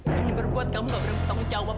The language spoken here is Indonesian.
dan yang berbuat kamu tidak berhutang menjawab